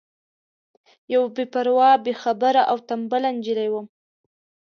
یوه بې پروا بې خبره او تنبله نجلۍ وم.